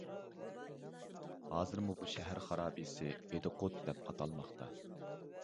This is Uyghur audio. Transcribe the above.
ھازىرمۇ بۇ شەھەر خارابىسى «ئىدىقۇت» دەپ ئاتالماقتا.